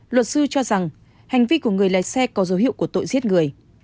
luật sư cho rằng hành vi của người lái xe có dấu hiệu của tội giết người